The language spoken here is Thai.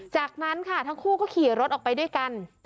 จากนั้นค่ะทั้งคู่ก็ขี่รถออกไปด้วยกัน